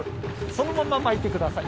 そのまま巻いてください。